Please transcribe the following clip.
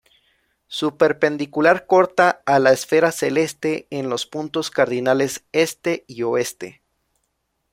Su perpendicular corta a la esfera celeste en los puntos cardinales este y oeste.